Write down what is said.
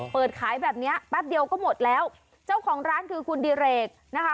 เปิดขายแบบเนี้ยแป๊บเดียวก็หมดแล้วเจ้าของร้านคือคุณดิเรกนะคะ